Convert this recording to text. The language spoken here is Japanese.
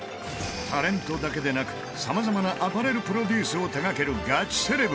タレントだけでなく様々なアパレルプロデュースを手掛けるガチセレブ